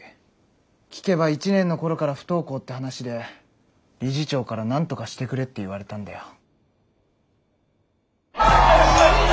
聞けば１年の頃から不登校って話で理事長からなんとかしてくれって言われたんだよ。